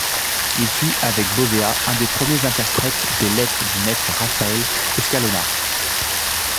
Il fut, avec Bovea, un des premiers interprètes des lettres du Maître Raphaël Escalona.